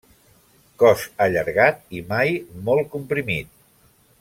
Cos allargat i mai molt comprimit.